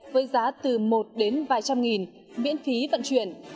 với giá từ một đến vài trăm nghìn miễn phí vận chuyển